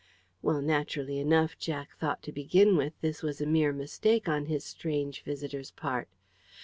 Well, naturally enough Jack thought, to begin with, this was a mere mistake on his strange visitor's part.